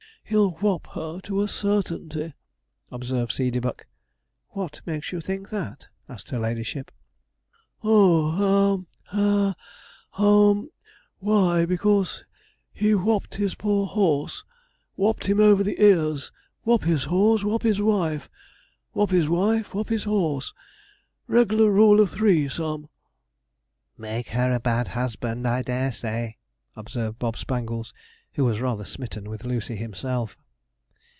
'He'll whop her, to a certainty,' observed Seedeybuck. 'What makes you think that?' asked her ladyship. 'Oh ha hem haw why, because he whopped his poor horse whopped him over the ears. Whop his horse, whop his wife; whop his wife, whop his horse. Reg'lar Rule of three sum.' 'Make her a bad husband, I dare say,' observed Bob Spangles, who was rather smitten with Lucy himself.